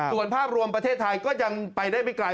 ส่วนภาพรวมประเทศไทยก็ยังไปได้ไม่ไกล